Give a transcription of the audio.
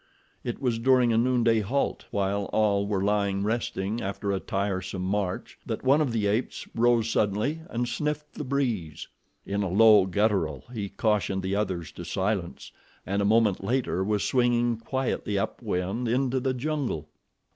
It was during a noonday halt while all were lying resting after a tiresome march that one of the apes rose suddenly and sniffed the breeze. In a low guttural he cautioned the others to silence and a moment later was swinging quietly up wind into the jungle.